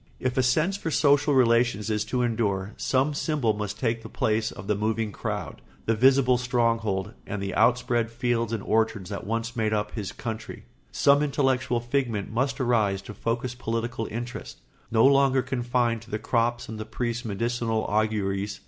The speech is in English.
If a sense for social relations is to endure, some symbol must take the place of the moving crowd, the visible stronghold, and the outspread fields and orchards that once made up his country; some intellectual figment must arise to focus political interests, no longer confined to the crops and the priest's medicinal auguries.